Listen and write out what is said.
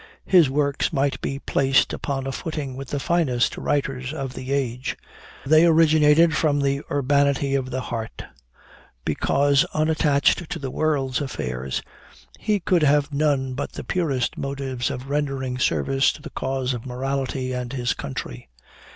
His works might be placed upon a footing with the finest writers of the age. They originated from the urbanity of the heart; because unattached to the world's affairs, he could have none but the purest motives of rendering service to the cause of morality and his country.